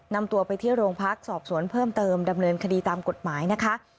นำตัวไปที่โรงพักสอบสวนเพิ่มเติมดำเนินคดีตามกฎหมายนะคะ